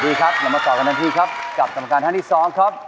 ดีครับเรามาต่อกันทันทีครับกับกรรมการท่านที่สองครับ